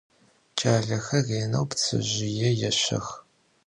Ç'alexer rêneu ptsezjıê yêşşex.